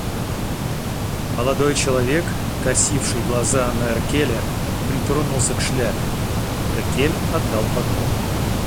Молодой человек, косивший глаза на Эркеля, притронулся к шляпе; Эркель отдал поклон.